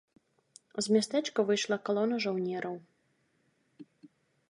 З мястэчка выйшла калона жаўнераў.